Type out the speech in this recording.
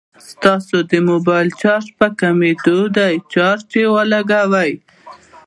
ستاسو د موبايل چارج په کميدو دی ، چارجر ولګوئ